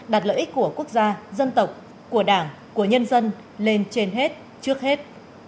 đặt lợi ích của quốc gia dân tộc của đảng của nhân dân lên trên hết trước hết